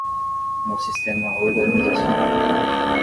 No sistema organizacional